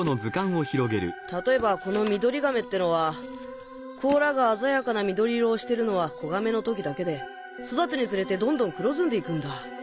例えばこのミドリガメってのは甲羅が鮮やかな緑色をしてるのは子亀の時だけで育つにつれてどんどん黒ずんでいくんだ。